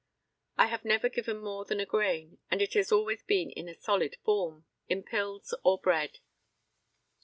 I have never given more than a grain, and it has always been in a solid form in pills or bread.